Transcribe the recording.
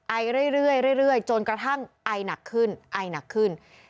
ไอเรื่อยจนกระทั่งไอหนักขึ้นไอหนักขึ้น